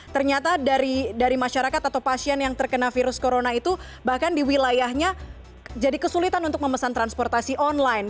ternyata dari masyarakat atau pasien yang terkena virus corona itu bahkan di wilayahnya jadi kesulitan untuk memesan transportasi online